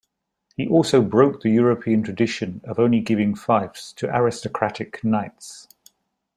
He also broke the European tradition of only giving fiefs to aristocratic knights.